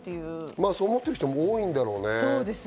そう思ってる人も多いんだろうね。